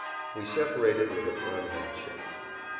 We separated with a firm handshake.